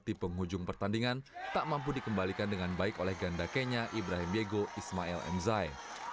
di penghujung pertandingan tak mampu dikembalikan dengan baik oleh ganda kenya ibrahim diego ismail mzai